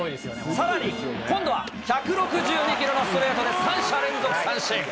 さらに今度は１６２キロのストレートで３者連続三振。